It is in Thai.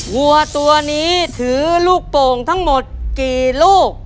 วัวตัวนี้ถือลูกโป่งทั้งหมดกี่ลูก